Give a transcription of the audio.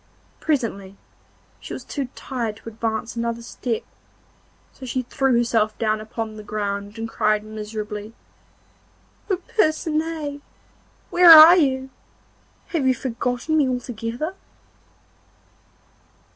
Presently she was too tired to advance another step, so she threw herself down upon the ground and cried miserably: 'Oh, Percinet! where are you? Have you forgotten me altogether?